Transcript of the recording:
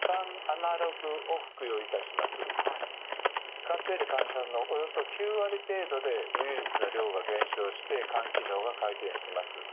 使ってる患者さんのおよそ９割程度でウイルスの量が減少して肝機能が改善します。